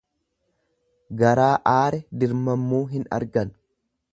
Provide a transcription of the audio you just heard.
Garaa aare dirmammuu hin argan.